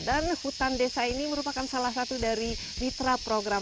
dan hutan desa ini merupakan salah satu dari litera potensial yang terletak di sekitar desa padan